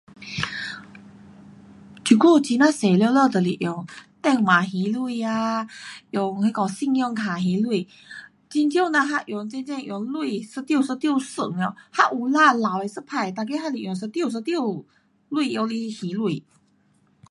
这久很呀多就是用电话还钱啊，用那个信用卡还钱。很少人还用真真用钱一张一张算了。还有啦，老的一派，每个还是用一张一张钱拿来还钱。